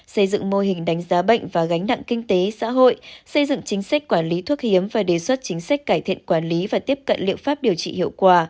xây dựng mô hình đánh giá bệnh và gánh đặng kinh tế xã hội xây dựng chính sách quản lý thuốc hiếm